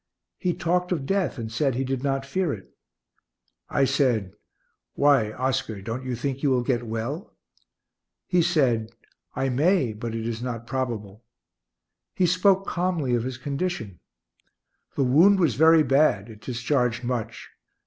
He talked of death, and said he did not fear it. I said, "Why, Oscar, don't you think you will get well?" He said, "I may, but it is not probable." He spoke calmly of his condition. The wound was very bad; it discharged much.